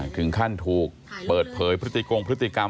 ถึงขั้นถูกเปิดเผยพฤติกงพฤติกรรม